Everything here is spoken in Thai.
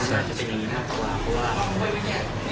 เพราะว่าทางผมอาจจะไม่ดี